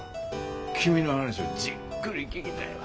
君の話をじっくり聞きたいわ。